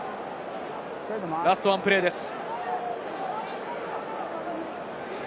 ラストワンプレーです。